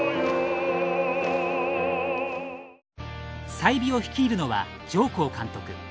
済美を率いるのは上甲監督。